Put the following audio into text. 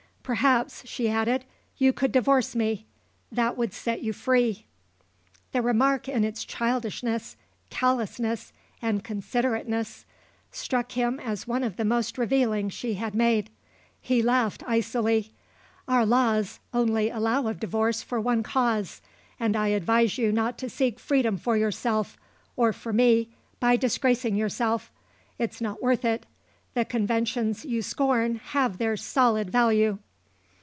Perhaps," she added, "you could divorce me. That would set you free." The remark in its childishness, callousness, and considerateness struck him as one of the most revealing she had made. He laughed icily. "Our laws only allow of divorce for one cause and I advise you not to seek freedom for yourself or for me by disgracing yourself. It's not worth it. The conventions you scorn have their solid value."